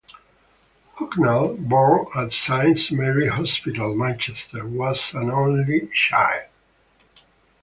Hucknall, born at Saint Mary's Hospital, Manchester, was an only child.